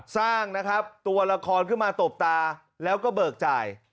สร้างนะครับตัวละครขึ้นมาตบตาแล้วก็เบิกจ่าย